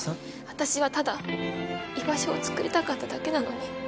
私はただ居場所を作りたかっただけなのに。